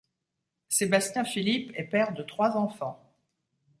Sébastien Philippe est père de trois enfants.